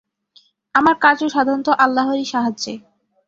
আমার কার্য-সাধন তো আল্লাহরই সাহায্যে।